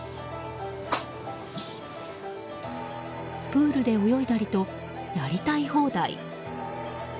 プールで泳いだりとやりたい放題。